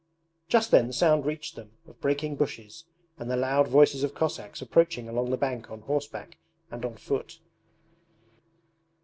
Just then the sound reached them of breaking bushes and the loud voices of Cossacks approaching along the bank on horseback and on foot.